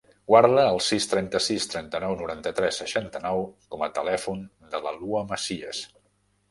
Guarda el sis, trenta-sis, trenta-nou, noranta-tres, seixanta-nou com a telèfon de la Lua Macias.